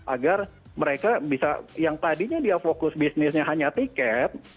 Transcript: agar mereka bisa yang tadinya dia fokus bisnisnya hanya tiket